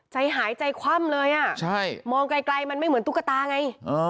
ใจหายใจคว่ำเลยอ่ะใช่มองไกลมันไม่เหมือนตุ๊กตาไง